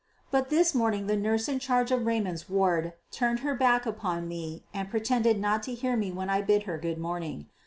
But this morning the nurse in charge of Raymond's ward turned her back upon me and pretended not to hear me when I bid her good morning.